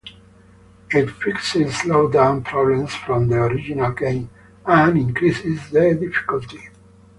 It fixed slowdown problems from the original game, and increased the difficulty.